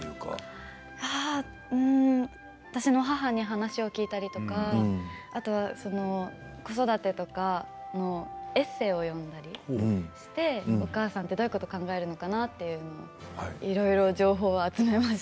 私の母に話を聞いたりとか子育てとかのエッセーを読んだりお母さんってどういうことを考えるのかなっていろいろ情報を集めました。